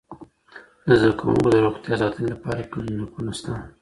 د زده کوونکو د روغتیا ساتنې لپاره کلینیکونه سته؟